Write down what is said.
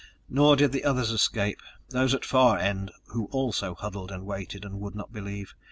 Nor did the others escape, those at Far End who also huddled and waited and would not believe.